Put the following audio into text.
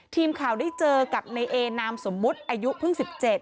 ทีมข่าวได้เจอกับในเอนามสมมุติอายุเพิ่ง๑๗